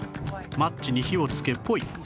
マッチに火をつけポイ